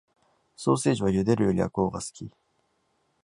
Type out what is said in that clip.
ソーセージは茹でるより焼くほうが好き